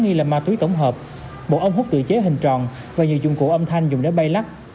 nghi là ma túy tổng hợp một ống hút tự chế hình tròn và nhiều dụng cụ âm thanh dùng để bay lắc